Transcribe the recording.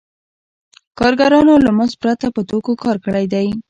کارګرانو له مزد پرته په توکو کار کړی دی